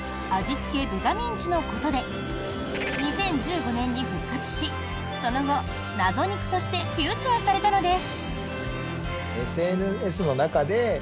付豚ミンチのことで２０１５年に復活しその後、謎肉としてフィーチャーされたのです。